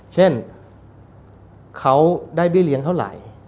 เช่นเขาได้เบี้ยเลี้ยงเท่าไหร่